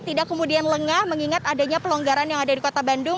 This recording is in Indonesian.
tidak kemudian lengah mengingat adanya pelonggaran yang ada di kota bandung